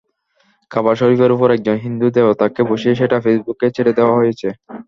কাবা শরিফের ওপর একজন হিন্দু দেবতাকে বসিয়ে সেটা ফেসবুকে ছেড়ে দেওয়া হয়েছে।